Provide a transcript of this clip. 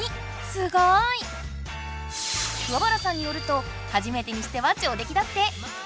すごい！原さんによるとはじめてにしては上出来だって！